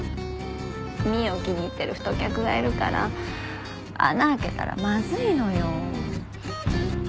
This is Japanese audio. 美依を気に入ってる太客がいるから穴開けたらまずいのよ。